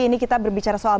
ini kita berbicara soal